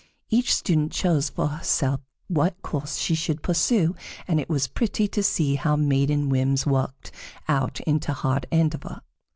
Each student chose for herself what course she should pursue, and it was pretty to see how maiden whims worked out into hard endeavor.